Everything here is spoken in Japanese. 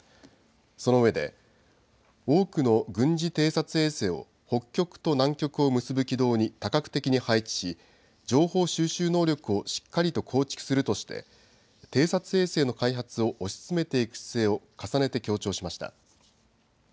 そのうえで多くの軍事偵察衛星を北極と南極を結ぶ軌道に多角的に配置し情報収集能力をしっかりと構築するとして偵察衛星の開発を推し進めていく姿勢を重ねて強調しました。